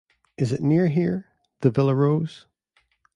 It is near here? — the Villa Rose?